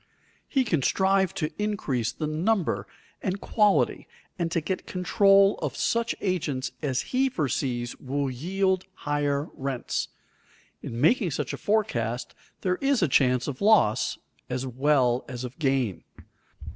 He can strive to increase the number and quality and to get control of such agents as he foresees will yield higher rents. In making such a forecast there is chance of loss as well as of gain.